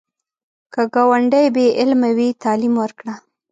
که ګاونډی بې علمه وي، تعلیم ورکړه